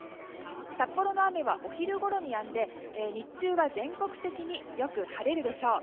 札幌の雨はお昼ごろにやんで日中は全国的によく晴れるでしょう。